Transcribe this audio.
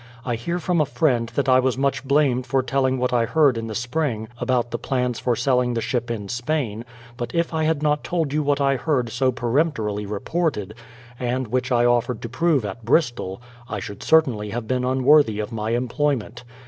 I hear from a friend that I was much blamed for telling what I heard in the spring about the plans for seUing the ship in Spain; but if I had not told you what I heard so peremptorily reported, — and which I offered to prove at Bristol, — I should certainly have been unworthy of my employ ment.